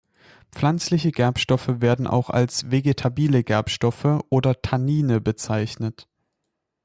Pflanzliche Gerbstoffe werden auch als "vegetabile" Gerbstoffe oder Tannine bezeichnet.